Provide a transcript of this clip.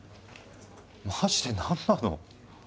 マジで何なの？